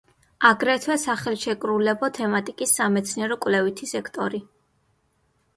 აგრეთვე სახელშეკრულებო თემატიკის სამეცნიერო-კვლევითი სექტორი.